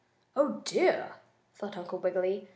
"Oh, dear!" thought Uncle Wiggily.